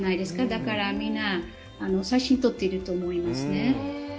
だからみんな写真撮っていると思いますね。